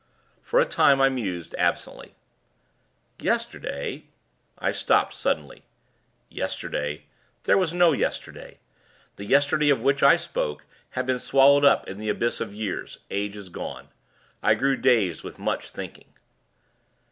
For, a time, I mused, absently. 'Yesterday ' I stopped, suddenly. Yesterday! There was no yesterday. The yesterday of which I spoke had been swallowed up in the abyss of years, ages gone. I grew dazed with much thinking.